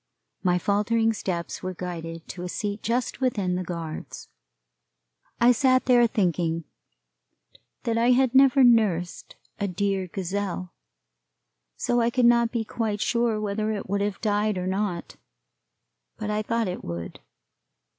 My faltering steps were guided to a seat just within the guards. I sat there thinking that I had never nursed a dear gazelle, so I could not be quite sure whether it would have died or not, but I thought it would.